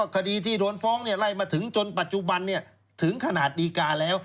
คดีที่โดนฟ้องไล่มาถึงจนปัจจุบันถึงขนาดดีการแล้ว